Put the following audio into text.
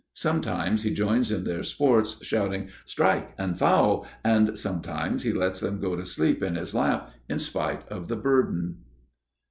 Sometimes he joins in their sports, shouting "Strike!" and "Foul!"; and sometimes he lets them go to sleep in his lap in spite of the burden.